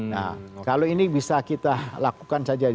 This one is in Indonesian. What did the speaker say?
nah kalau ini bisa kita lakukan saja